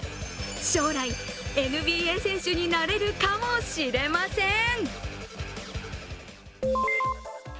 将来、ＮＢＡ選手になれるかもしれません。